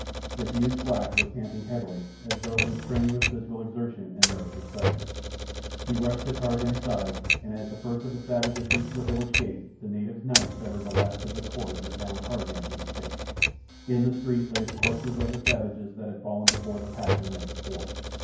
The huge black was panting heavily as though from strenuous physical exertion and nervous excitement. He rushed to Tarzan's side, and as the first of the savages reached the village gate the native's knife severed the last of the cords that bound Tarzan to the stake. In the street lay the corpses of the savages that had fallen before the pack the night before.